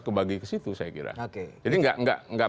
kebagi ke situ saya kira jadi nggak